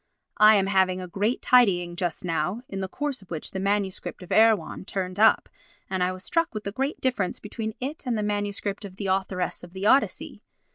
I am having a great tidying just now, in the course of which the MS. of Erewhon turned up, and I was struck with the great difference between it and the MS. of The Authoress of the Odyssey.